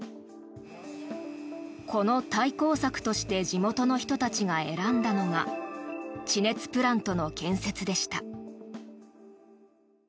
この対抗策として地元の人たちが選んだのが地熱プラントの建設でした。